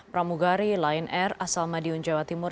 pramugari lion air asal madiun jawa timur